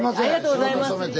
仕事止めて。